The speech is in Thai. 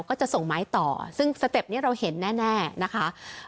ก็จะส่งไม้ต่อซึ่งสเต็ปนี้เราเห็นแน่นะคะ